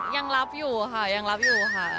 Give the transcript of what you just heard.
ยังรับอยู่ค่ะยังรับอยู่ค่ะ